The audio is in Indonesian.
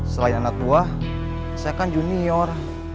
selain anak buah saya kan junior